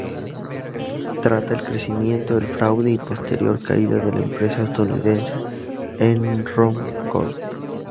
Trata el crecimiento, el fraude y posterior caída de la empresa estadounidense Enron Corp.